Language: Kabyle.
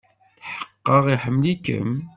Tḥeqqeɣ iḥemmel-ikem.